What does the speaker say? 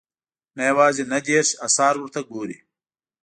نه یوازې نهه دېرش اثار ورته ګوري.